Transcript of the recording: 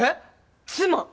妻！？